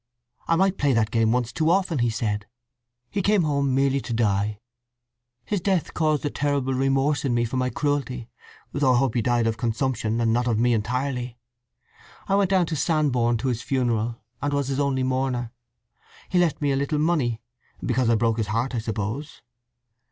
I might play that game once too often, he said. He came home merely to die. His death caused a terrible remorse in me for my cruelty—though I hope he died of consumption and not of me entirely. I went down to Sandbourne to his funeral, and was his only mourner. He left me a little money—because I broke his heart, I suppose.